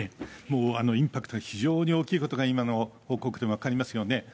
インパクトが非常に大きいことが今の報告でも分かりますよね。